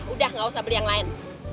udah gak usah beli yang lain